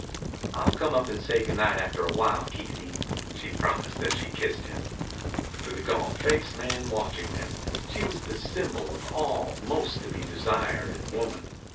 "I'll come up and say good night after a while, Keithie," she promised as she kissed him. To the gaunt faced man watching them she was the symbol of all most to be desired in woman.